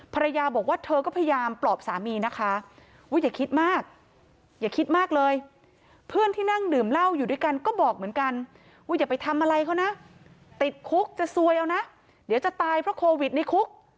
ภรรยาบอกว่าเธอก็พยายามปลอบสามีนะคะว่าอย่าคิดมากอย่าคิดมากเลยเพื่อนที่นั่งดื่มเหล้าอยู่ด้วยกันก็บอกเหมือนกันว่าอย่าไปทำอะไรเขานะติดคุกจะซวยเอานะเดี๋ยวจะตายเพราะโควิดในคุก